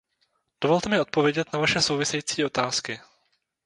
Dovolte mi odpovědět na vaše související otázky.